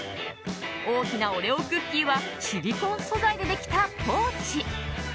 大きなオレオクッキーはシリコン素材でできたポーチ。